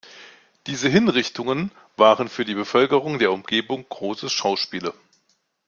Diese Hinrichtungen waren für die Bevölkerung der Umgebung große Schauspiele.